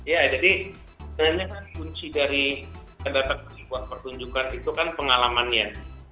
ya jadi sebenarnya kan kunci dari kedatangan sebuah pertunjukan itu kan pengalamannya